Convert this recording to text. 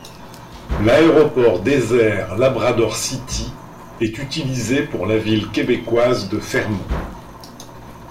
L'aéroport désert Labrador city et utilisé pour la ville québécoise de Fermont.